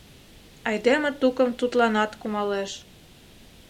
Айдеме тукым тудланат кумалеш.